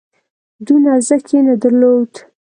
دونه ارزښت یې نه درلود.